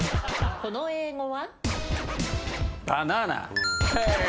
この英語は？